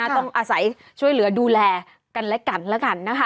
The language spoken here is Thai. ต้องอาศัยช่วยเหลือดูแลกันและกันแล้วกันนะคะ